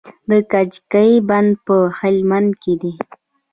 د کجکي بند په هلمند کې دی